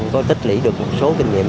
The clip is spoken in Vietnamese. có tích lĩ được một số kinh nghiệm